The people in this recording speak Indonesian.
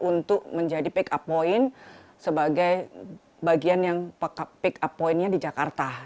untuk menjadi pick up point sebagai bagian yang pick up pointnya di jakarta